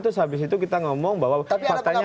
terus habis itu kita ngomong bahwa faktanya